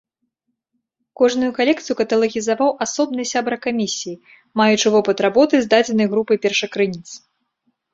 Кожную калекцыю каталагізаваў асобны сябра камісіі, маючы вопыт работы з дадзенай групай першакрыніц.